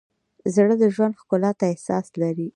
زړه د ژوند ښکلا ته احساس لري.